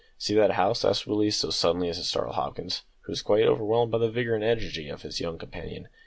"See that house?" asked Willie, so suddenly as to startle Hopkins, who was quite overwhelmed by the vigour and energy of his young companion.